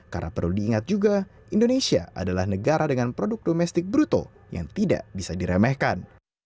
karena perlu diingat juga indonesia adalah negara dengan produk domestik bruto yang tidak bisa diremehkan